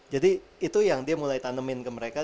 jadi itu yang dia mulai tanemin ke mereka